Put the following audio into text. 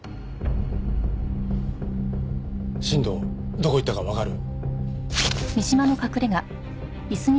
どこ行ったかわかる？